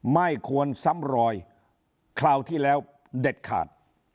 ไม่ควรซ้ำรอยคราวที่แล้วเด็ดขาด